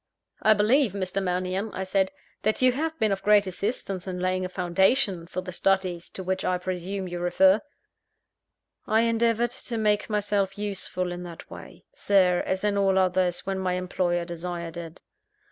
"I believe, Mr. Mannion," I said, "that you have been of great assistance in laying a foundation for the studies to which I presume you refer." "I endeavoured to make myself useful in that way, Sir, as in all others, when my employer desired it."